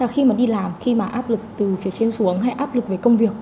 khi mà đi làm khi mà áp lực từ phía trên xuống hay áp lực về công việc